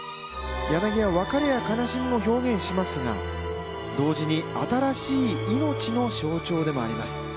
柳は別れや悲しみを表現しますが同時に新しい命の象徴でもあります。